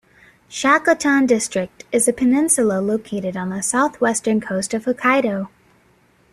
Shakotan District is a peninsula located on the southwestern coast of Hokkaido.